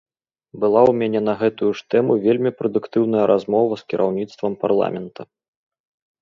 Была ў мяне на гэтую ж тэму вельмі прадуктыўная размова з кіраўніцтвам парламента.